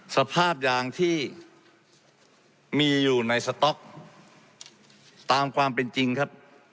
สภาพยางที่มีอยู่ในสต๊อกตามความเป็นจริงครับ